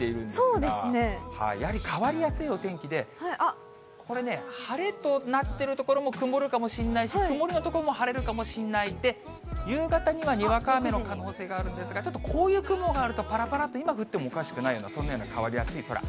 やはり変わりやすいお天気で、これね、晴れとなってる所も曇るかもしれないし、曇りの所も晴れるかもしれない、夕方にはにわか雨の可能性があるんですが、ちょっとこういう雲があると、ぱらぱらっと今降ってもおかしくないような、そんなような変わりやすい空。